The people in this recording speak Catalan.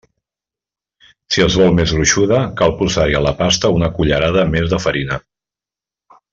Si es vol més gruixuda, cal posar-hi a la pasta una cullerada més de farina.